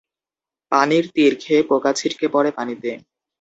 পানির তির খেয়ে পোকা ছিটকে পড়ে পানিতে।